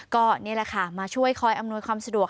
ก็นี่แหละค่ะมาช่วยคอยอำนวยความสะดวก